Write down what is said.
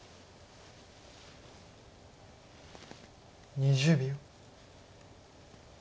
２０秒。